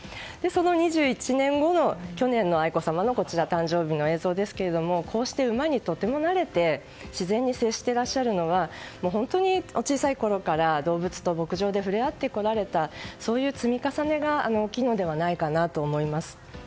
その２１年後去年の愛子さまの誕生日の映像ですがこうして馬にとても慣れて自然に接していらっしゃるのは本当に小さいころから動物と牧場で触れ合ってこられた積み重ねが大きいのではないのかなと思います。